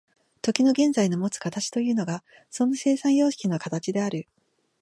時の現在のもつ形というのがその生産様式の形である。